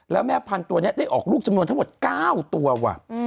แล้วแม่พันธุ์ตัวนี้ได้ออกลูกจำนวนทั้งหมด๙ตัวว่ะ